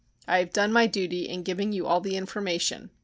I have done my duty in giving you all the information.